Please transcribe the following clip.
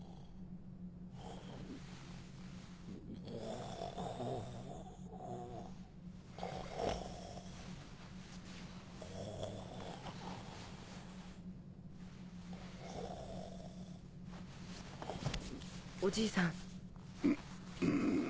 おじいさん。